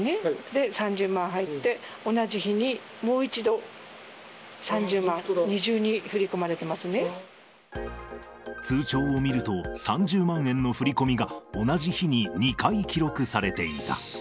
で、３０万入って、同じ日にもう一度、３０万、通帳を見ると、３０万円の振り込みが、同じ日に２回記録されていた。